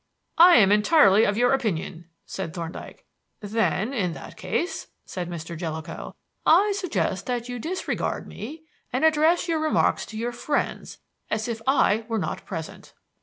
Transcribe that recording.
"I am entirely of your opinion," said Thorndyke. "Then in that case," said Mr. Jellicoe, "I suggest that you disregard me, and address your remarks to your friends as if I were not present."